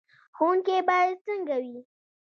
ښوونکی باید څنګه وي؟